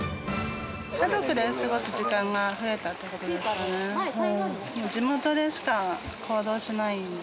家族で過ごす時間が増えたってことですかね。